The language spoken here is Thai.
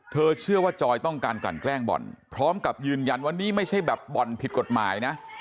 เชื่อว่าจอยต้องการกลั่นแกล้งบ่อนพร้อมกับยืนยันว่านี่ไม่ใช่แบบบ่อนผิดกฎหมายนะ